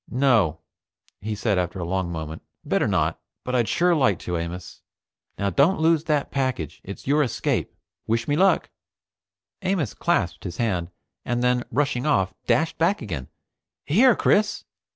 "No," he said after a long moment. "Better not. But I'd sure like to, Amos. Now don't lose that package. It's your escape. Wish me luck." Amos clasped his hand, and then, rushing off, dashed back again. "Here, Chris.